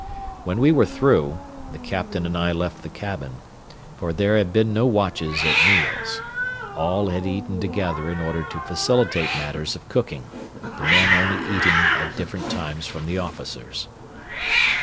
When we were through, the captain and I left the cabin, for there had been no watches at meals; all had eaten together in order to facilitate matters of cooking, the men only eating at different times from the officers.